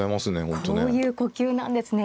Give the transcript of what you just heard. こういう呼吸なんですね。